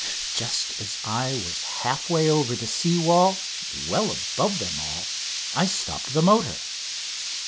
Just as I was half way over the sea wall, well above them all, I stopped the motor.